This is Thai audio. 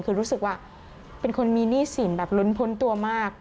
คือรู้สึกว่าเป็นคนมีหนี้สินแบบลุ้นพ้นตัวมาก